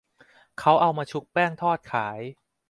เขาเอามาชุบแป้งทอดขาย